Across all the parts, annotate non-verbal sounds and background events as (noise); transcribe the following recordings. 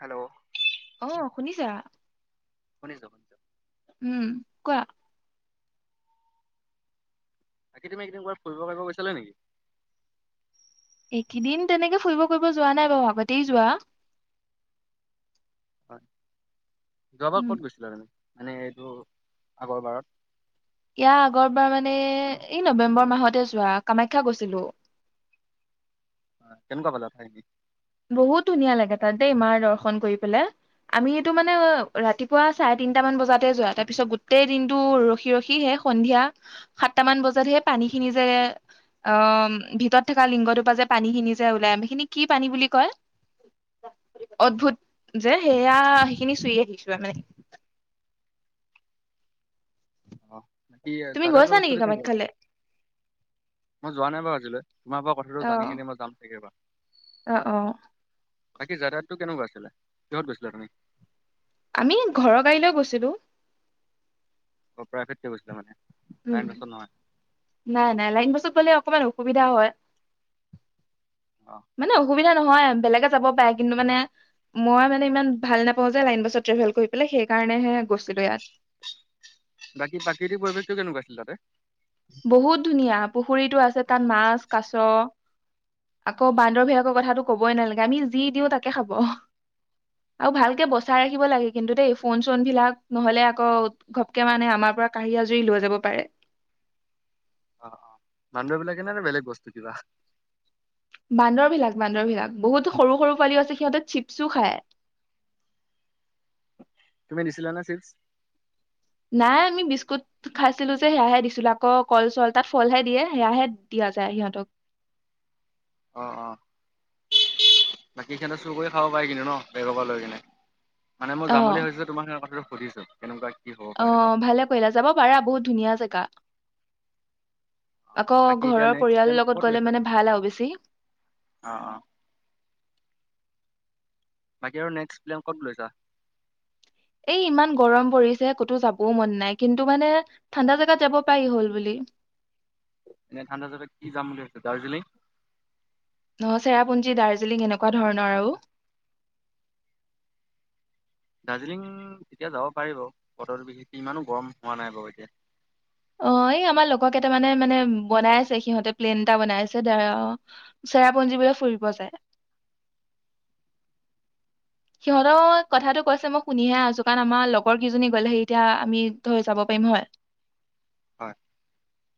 Hello অ শুনিছা শুনিছোঁ। শুনিছোঁ উম কোৱা বাকী তুমি একেইদিন ক'ৰবাত ফুৰিব কৰিব গৈছালা নেকি। এইকেইদিন তেনেকে ফুৰিব কৰিবব যোৱা নাই বাৰু আগতেই যোৱা। যোৱাৰ উম ক'ত গৈছিলা তুমি। মানে এইটো আগৰ বাৰত। ইয়া আগৰবাৰ মানে এই নৱেম্বৰ মাহতে যোৱা কামাখ্যা গৈছিলোঁ। অ কেনেকোৱা পালা ঠাই। বহুত ধুনীয়া লাগে তাত দেই ই মাৰ দৰ্শন কৰি পেলাই আমি এইটো মানে ৰাতিপুৱা চাৰে তিনটামান বজাতে যোৱা তাৰ পিছত গোটেই দিনটো ৰখি ৰখিহে সন্ধিয়া সাতটামান বজাতহে পানী খিনি যে অ ভিতত থকা লিংগটোপা যে পানী খিনি যে ওলাই সেইখিনি কি পানী বুলি। কয় অদ্ভুত যে সেয়া সেইখিনি চুইে দিছো আৰু মানে। অঁ। বাক তুমি যাতায়াত গৈছা নেকি ব্যৱস্থাটো কেনেুৱৈ আছে কামাখ্যালে মই যো (unintelligible) ৱা নাই বাৰু আজিলৈ তোমাৰ পৰা কথাটো জানি অ কিনে মই যাম চাগে বা। অ অ বাকী যাদায়াদটো কেনেকুৱা আছিলে কিহত গৈছিলা তুমি। আমি ঘৰৰ গাড়ীলৈ গৈছিলো। অ পৰাায় ফেৰ্ত গৈছিল মে (unintelligible) উম নাই নাই লাইন বাছত গলে অকমান অসুবিধা হয়। অ মানে অসুবিধা। নহয় বেলেগে যাব পাৰে কিন্তু মানে মই মানে ইমান ভাল নাপাওঁ যে লাইন বাছত ট্ৰেভেল কৰি পেলাই সেইকাৰণেহে গৈছিলো ইয়াত। বাকী প্ৰাকৃতিক পৰিৱেশটো কেনেকুৱা আছিলে তাতে। বহুত ধুনীয়া পুখুৰীটো আছে তাত মাছ কাছ আকৌ বান্দৰ ভেকৰ কথাটো কবই নালাগে আমি যি দিওঁ তাকে খাব আৰু ভালকে বচাই ৰাখিব লাগে কিন্তু দেই ফোন চোন বিলাক নহলে আকৌ ঘপকে মানে আমাৰ পৰা কাঢ়ি আজুৰি লৈ যাব পাৰে। অ অ বান্দৰ বিলাকেনে বেলেগ বস্তু কিবা। বান্দৰ বিলাক বান্দৰ বিলাক বহুতো সৰু সৰু পোৱালিও আছে সিহঁতে চিপছো খায়। দিছিলানে চিপচ। নাই আমি বিস্কুট খাইছিলো যে সেয়াহে দিছিলো আকৌ কল চল তাত ফলহে দিয়ে সেয়াহে দিয়া যায় সিহঁতক। অ অ বাকী সিহঁতে চুৰ কৰি খাব পাৰি কিন্তু ন বেগৰ পৰা লৈ কিনে। মানে মই অ যাম বুলি ভাবিছিলো তোমাৰ আৰু কথাটো। সুুধিছো কেনেকুৱা কি। হ'ব অ পাৰে তাত। ভালে কৰিলা যাব পাৰা বহুত ধুনীয়া জেগা। অ, আকৌ বাকী ঘৰৰ এতিয়া নেক্সট প্লেন পৰিয়ালৰ লগত ক'ত গলে লৈছা মানে তুমি? ভাল আৰু বেছি। অ অ বাকী আৰু নেক্সট প্লেম ক'ত লৈছা। এই ইমান গৰম পৰিছে ক'তো যাবও মন নাই কিন্তু মানে ঠাণ্ডা জোগাত যাব পাৰি হ'ল বুলি। এনে ঠাণ্ডা জেগাত কি যাম বুলি ভাবিছা। দাৰ্জিলিং। চেৰাপুঞ্জী দাৰ্জিলিং এনেকুৱা ধৰণৰ আৰু। দাৰ্জিলিং তেতিয়া যাব পাৰিব বতৰটো বিশেষকৈ ইমানো গৰম হোৱা নাই বাৰু এতিয়া। অ এই আমাৰ লগকেইটাৰ মানে মানে বনাই আছে সিহঁতে প্লেন এটা বনাই আছে, চেৰাপুঞ্জিবোলে ফুৰিব যায়। সিহঁতৰ কথাটো কৈছে মই শুনিহে আছো, কাৰণ আমাৰ লগৰ কেইজনী গলে সেই এতিয়া আমি ধৰ যাব পাৰিম হয়। হয়।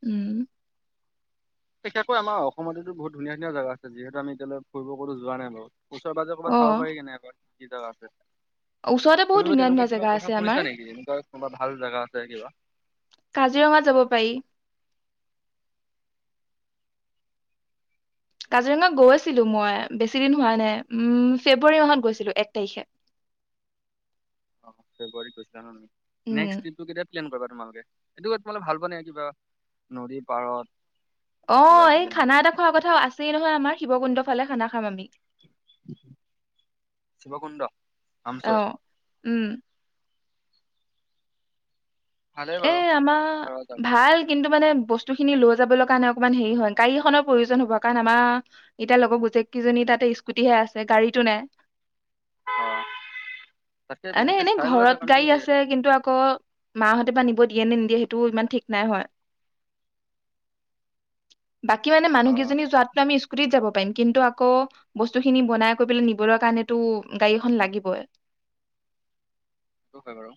উম। বিশেষকৈ আমাৰ অসমতো বহুত ধুনীয়া ধুনীয়া জেগা আছে, যিহেতু আমি এতিয়ালৈ ফুৰিব কতো যোৱা নাই বাৰু। ওচৰ পাজৰে অ ক'বাতাব ফাব পাৰি নাই আগত। কি জেগা আছে ওচৰতে বহুত তুমি ব ধুনীয়া ধুনীয়া তেনেকুৱা কিবা জেগা আছে কথা আমাৰ শুনিছা নেকি এনেকুৱা কোনোবা ভাল জেগা আছে কিবা কাজিৰঙা যাব পাৰি কাজিৰঙা গৈ ছিলো মই বেছি দিন হোৱা নাই উ ফেব্ৰুৱাৰী মাহত গৈছিলো এক তাৰিখে অ ফেব্ৰুৱাৰীত গৈছিলা ন উম নেক্স টিপ টো কেতিয়া প্লেন কৰিবা তোমালোকে এইটো তোমালে ভাল পোৱা নে? কিবা নদী পাৰত। কিবা অ' এই কিবি এনেকুৱা? খানা এটা খোৱাৰ কথাও আছেই নহয়জ আমাৰ শিৱকুণ্ডৰ ফালে খানা খাম আমি। শিৱ কুণ্ড আহ, উম। ভালেই এ বাৰু। আমাৰ পাহাৰৰ জেগা ভাল কিন্তু মানে বস্তু খিনি লৈ যাবলৈ কাৰণে অকণমান হেৰি হয় গাড়ীখনৰ প্ৰয়োজন হ'ব, কাৰণ আমাৰ এতিয়া লগৰ গোজেইকেইজনী তাতে স্কুটিহে আছে গাড়ীতটো নাই। অ', তাতকে বিশেষকে এনে-এনেই চাই লোৱা ঘৰত যাক আমি গাই আছে কিন্তু আকৌ মাহতে নিব দিয়ে নে নিদিয়ে সেইটো ইমান ঠিক নাই হয়। বাকী মানে, অ', মানুহেইজন যাতটো আমি স্কুতিত যাব পাৰিম কিন্তু আকৌ বস্তু খিনি বনাই কৰি পেলাই নিবলৈ কাৰণেতো গাড়ীখন লাগিবই। সেটো হয় বাৰু।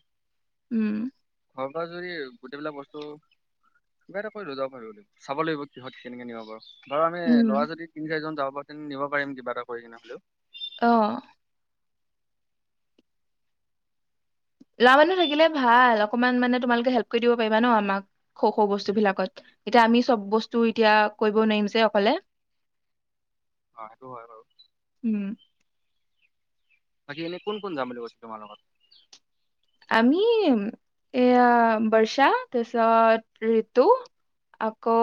উম, ঘৰ পৰা যদি গোটেইবিলাক বস্তু কিবা এটা কৰি লৈ যাব পাৰি, চাব লাগিব কিহত কেনেকে নিব পাৰো। বাৰু আমি উম ল'ৰা যদি তিনি চাৰিজন যাওঁ নিব পাৰিম কিবা এটা কৰি কিনে হলেও। আহ, লৰা মানুহ থাকিলে ভাল অকনমান মানে তোমালোকে হেল্প কৰি দিব পাৰিবা ন, আমাক সৰু-সৰু বস্তু বিলাকত এতিয়া আমি চব বস্তু এতিয়া কৰিব নোৱাৰিম যে অকলে। অ' সেইটো হয় বাৰু। উম বাকি ইনে কোন কোন জাম বুলি কৈছে তোমাৰ লগত। আমি এয়া বৰ্ষা তাৰপিছত ঋতু আকৌ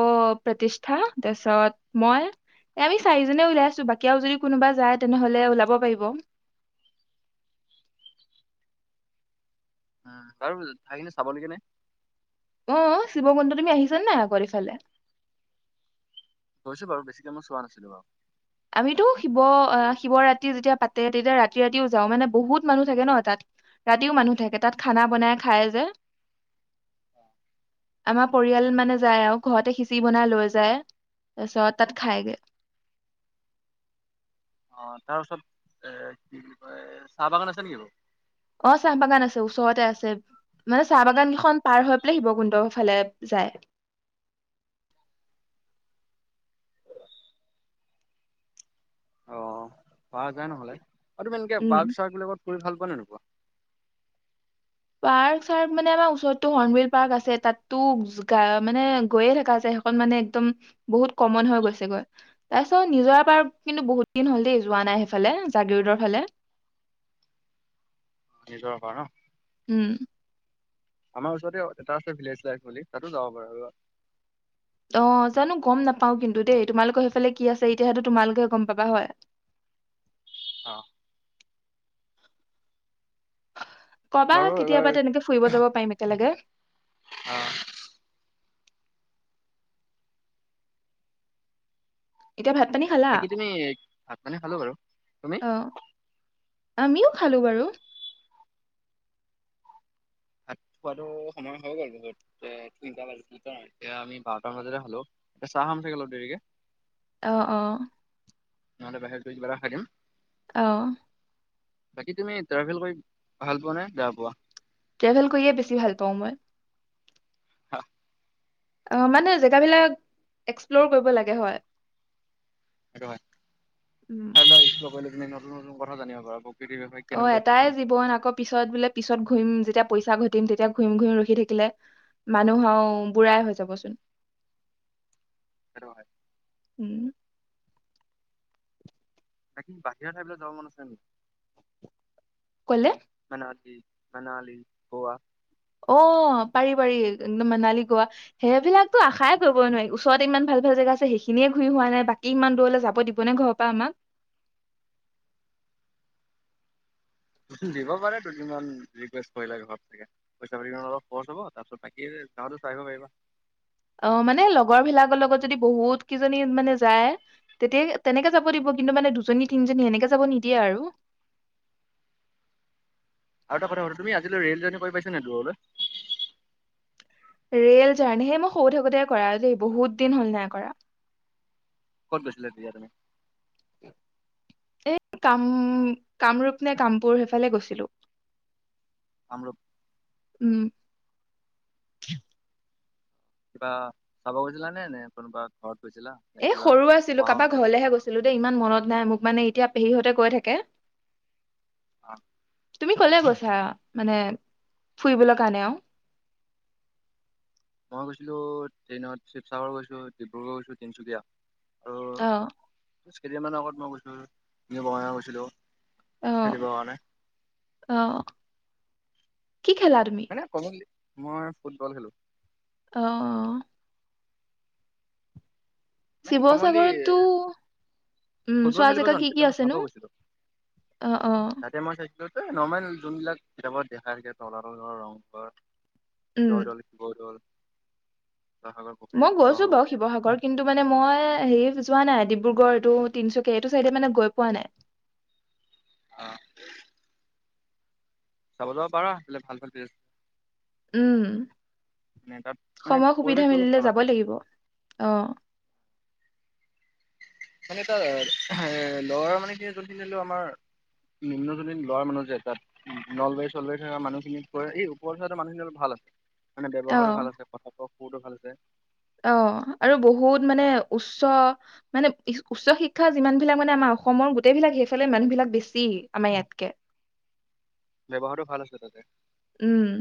প্ৰতিষ্ঠা তাৰপিছত মই আমি চাৰিজনে উওলাই আছো বাকীও যদি কোনোবা যায়, তেনেহলে ওলাব পাৰিব। উ, কাৰো থাকিল চাবলৈ কেনে আহ, শিৱকুণ্ড তুমি আহিছা নে আগৰ ইফালে। গৈছো বাৰু বেছিকে মই চোৱা নাছিলো বাৰু। আমিতো শিৱ শিৱৰাত্ৰি যেতিয়া পাতে তেতিয়া ৰাতি ৰাতিও যাওঁ মানে, বহুত মানুহ থাকে ন তাত ৰাতিও মানুহ থাকে তাত খানা বনাই খায়, যে আমাৰ পৰিয়াল মানে যায় আৰু ঘৰতে সিচি বনাই লৈ যায়। তাৰপিছত তাত খায়গে। অ' তাৰপিছত এ কি কয় চাহ বাগান আছে নেকি বাৰু। অ' চাহ বাগান আছে ওচৰতে আছে মানে চাহ বাগান কেইখন পাৰ হৈ পেলাই শিৱকুণ্ড ফালে যায়। অ' পোৱা যায় নহ'লে। আৰু এনেকে উম পাৰ্ক -চাৰ্ক বিলাকত কৰি ভাল পোৱা নে নোপোৱা। পাৰ্ক চাৰক মানে আমাৰ ওচৰতো হৰ্ণবল পাৰ্ক আছে তাতো মানে গৈয়ে থকা যায়, সেইখন মানে একদম বহুত কমন হৈ গৈছেগৈ তাৰপিছত নিজৰা পাৰ্ক কিন্তু বহুত দিন হ'ল, দেই যোৱা নাই সেইফালে জাগিৰোডৰ ফালে। নিজৰা পাৰ্ক ন উম, আমাৰ ওচৰতে এটা আছে ভিলেজ লাইফ বুলি তাতো যাব পাৰে। অ' জানো গম নাপাওঁ কিন্তু দেই তোমালোকৰ সেইফালে কি আছে, এতিয়াহতো তোমালোকে গম পাবা হয়। অ, কবা বাৰু এবাৰ কেতিয়াবা তেনেকে ফুৰিব যাব পাৰিম একেলগে। অ', এতিয়া ভাত পানী খালা বাকী তুমি ভাত পানী খালো বাৰু, তুমি? অ আমিও খালো বাৰু ভাত খোৱাতটো সময় হৈ গ'ল বহুত এ তিনিটা এতিয়া আমি বাৰটামান বজাতে হালো এতিয়া চাহ খাম চাগে অলপ দেৰিকে অহ অ নহ'লে বাহিৰত গৈ কিবা এটা খাই দিম অহ বাকী তুমি ট্ৰেভেল কৰি ভাল পোৱা নে বেয়া পোৱা ট্ৰেভেল কৰিয়ে বেছি ভাল পাওঁ মই হ অ মানে জেগাবলাক এক্সপ্লৰ কৰিব লাগে হয় সেইটো হয উম বেলেগে নতুন নতুন কথা জানিব পাৰা আক অ এটাই জীৱন আকৌ পিছত বোলে পিছত ঘূৰিম যেতিয়া পইচা ঘটিম তেতিয়া ঘূৰিম ঘূৰিমৰখি থাকিলে মানুহও বুঢ়াই হৈ যাবচোন সেইটো হয় উম বাকি বাহিৰা ঠাইলে যাব মন আছে কলে নেকি মানালী মনালি গোৱা অ পাৰি পাৰি একদম মনালী গোৱা সেইবিলাকতো আশাই কৰিব নোৱাৰি ওচৰতে ইমান ভাল ভাল জেগা আছে সেইখিনিয়ে ঘূৰি হোৱা নাই বাকী ইমান দূৰলৈ যাব দিবনে ঘৰৰ পৰা আমাক দিব পাৰে দুদিনমান ৰিকোয়েস্ত কৰিলে ঘৰতে পইচা পাতি অলপ খৰচ হব তাৰপিছত বাকী যাওতে চাই পাৰিবা আহ মানে লগৰবিলাকৰ লগত যদি বহুত কেইজনী মানে যায় তেতিয়া তেনেকে যাব দিব কিন্তু মানে দুজনী তিনজনী সেনেকে যাব নিদিয়ে আৰু আৰু এটা কথা তুমি আজিলৈ ৰেল জাৰ্ণি কৰি পাইছা ন দূৰলৈ ৰেল জাৰ্ণি সেই মই সৰুতে থাকোতে কৰা আৰু দেই বহুত দিন হ'ল নাই কৰা কত গৈছিলা তেতিয়া তুমি এ কাম কামৰূপ নে কামপুৰ সেইফালে গৈছিলো আমৰ উ (unintelligible) কিবা চাব গৈছিলা নে নে কোনোবা ঘৰত গৈছিলা নে এ কিবা সৰু আছিলো পঢ়া শুনা কাৰোবাক তেনেকুৱা? ঘৰলেহে গৈছিলো দেই ইমান মনত নাই মোক মানে এতিয়া পেহী সেয়ে কয় থাকে অ তুমি কলে কৈছা মানে ফুৰিবলৈ কাৰণে অ মই গৈছিলো ট্ৰেইনত শিৱসাগৰ গৈছো ডিব্ৰুগড় গৈছো তিনচুকীয়া অ কেইদিনমানৰ আগত মই গৈছিলোঁ বঙাইগাঁও গৈছিলো অহ খেলিবৰ কাৰণে অহ কি খেলা তুমি মানে কমনলি মই ফুটবল খেলোঁ অহ অহ মানে কমনলি শিৱসাগৰতো উম ফুটবল চোৱা খেলিব জেগা যাওঁ কি কি তেতিয়া মই আছে চাব নো গৈছিলো অ অ তাতে মই চাইছিলো নৰ্মেল যোনবিলাক কিতাপত দেখা হৈছে তলাতল ঘৰ, ৰংঘৰ উম জয়দল, শিৱদল মই গৈছো বাৰু পুখুৰী শিৱসাগৰ কিন্তু মানে মই হেৰি যোৱা নাই ডিব্ৰুগড় এইটো তিনিচুকীয়া এইটো চাইডে মানে গৈ পোৱা নাই অ চাব যাব পাৰা হলে ভাল ভাল আ উম তাত মানে সময় সুবিধা পৰিৱেশটো অলপ মিলিলে ভাল আছে যাবই লাগিব অ মানে টা এ লৱাৰ মানে কি যোন ধৰি লও আমাৰ নিম্নজনী লৱাৰ মানুহ যে তাত নলবাৰী চলবাৰী থকা মানুহখিনি এই ওপৰৰ‌ চাইদৰ মানুহখিনি অলপ ভাল আছে মানে অ ব্যৱহাৰো ভাল আছে কথাটো বহুতো ভাল আছে অ আৰু বহুত মানে উচ্চ মানে উচ্চ শিক্ষা যিমান বিলাক মানে আমাৰ অসমৰ গোটেইবিলাক সেইফালে মানুহবিলাক বেছি আমাৰ ইয়াতকে ব্যৱহাৰো ভাল আছে তাতে উম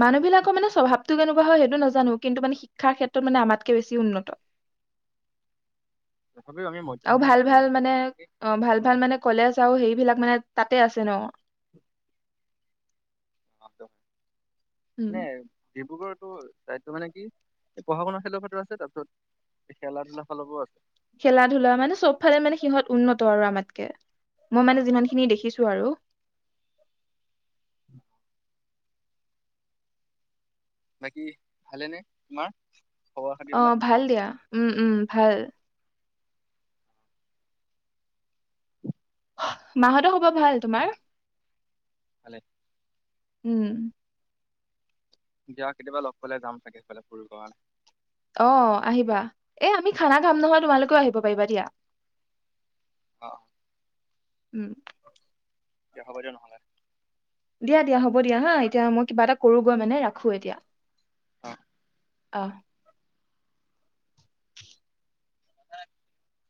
মানুহবিলাকৰ মানে স্বভাৱটো কেনেকুৱা হয় সেইটো নাজানো কিন্তু মানে শিক্ষাৰ ক্ষেত্ৰত মানে আমাতকৈ বেছি উন্নত তথাপিও আমি মধ্য আৰু অসমত ভাল আছো ভাল মধ্য মানে অসমত কি অ ভাল ইমান ভাল মানে কলেজ আৰু সেইবিলাক মানে তাত তে আছে ন (inaudible) নে উম ডিব্ৰুগড়তো চায়দটো মানে কি এই পঢ়া শুনা ফালো আছে তাৰপিছত খেলা ধূলা ফালৰ পৰাও আছে খেলা ধূলা মানে চব ফালে মানে সিহঁত উন্নত আৰু আমাতকে মই মানে যিমান খিনি দেখিছো আৰু বাকী ভালেনে তোমাৰ? খবৰ অ খাতিবিলাক ভাল দিয়া উম উম ভাল মা হতৰ খবৰ ভাল তোমাৰ ভালে উম দিয়া কেতিয়াবা লগ পালে যাম ছাগে সেইফালে ফুৰিব কাৰণে অ আহিবা এ আমি খানা খাম নহয় তোমালোকেও আহিব পাৰিবা দিয়া অ উম দিয়া হ'ব দিয়া নহ'লে দিয়া দিয়া হ'ব দিয়া হা এতিয়া মই কিবা এটা কৰোঁগৈ মানে ৰাখো এতিয়া অ অ (unintelligible)